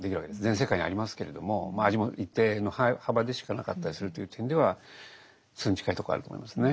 全世界にありますけれども味も一定の幅でしかなかったりするという点ではそれに近いところはあると思いますね。